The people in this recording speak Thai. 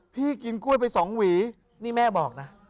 กินกล้วยไป๒หวีนี่แม่บอกนะ